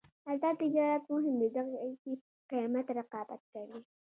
آزاد تجارت مهم دی ځکه چې قیمت رقابت کوي.